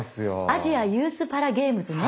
アジアユースパラゲームズね。